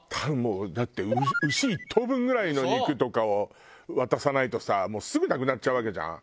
だって牛１頭分ぐらいの肉とかを渡さないとさもうすぐなくなっちゃうわけじゃん？